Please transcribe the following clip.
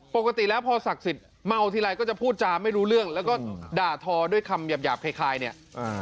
ปกติแล้วพอศักดิ์สิทธิ์เมาทีไรก็จะพูดจาไม่รู้เรื่องแล้วก็ด่าทอด้วยคำหยาบคล้ายเนี่ย